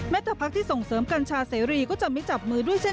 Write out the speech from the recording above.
แต่พักที่ส่งเสริมกัญชาเสรีก็จะไม่จับมือด้วยเส้น